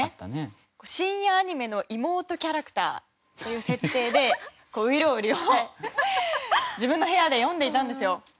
深夜アニメの妹キャラクターっていう設定で『外郎売』を自分の部屋で読んでいたんですよ。